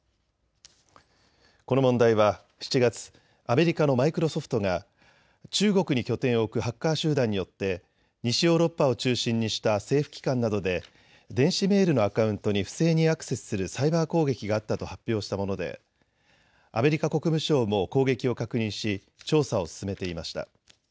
この問題は７月、アメリカのマイクロソフトが中国に拠点を置くハッカー集団によって西ヨーロッパを中心にした政府機関などで電子メールのアカウントに不正にアクセスするサイバー攻撃があったと発表したものでアメリカ国務省も攻撃を確認し調査を進めていました。